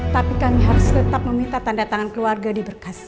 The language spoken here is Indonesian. tapi kami harus tetap meminta tanda tangan keluarga diberkas